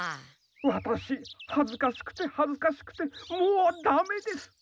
ワタシはずかしくてはずかしくてもうダメです！